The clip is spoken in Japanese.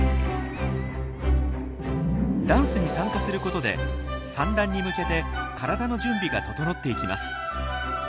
ダンスに参加することで産卵に向けて体の準備が整っていきます。